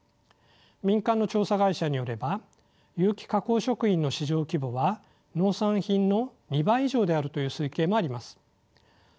民間の調査会社によれば有機加工食品の市場規模は農産品の２倍以上であるという推計もあります。